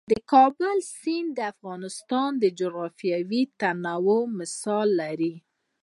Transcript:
د کابل سیند د افغانستان د جغرافیوي تنوع مثال دی.